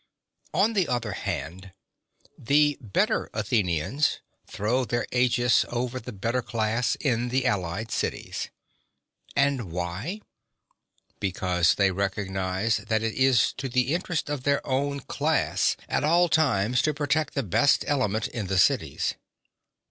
On the other hand, the better Athenians throw their aegis over the better class in the allied cities. (37) And why? Because they recognise that it is to the interest of their own class at all times to protect the best element in the cities.